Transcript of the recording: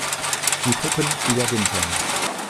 Die Puppen überwintern.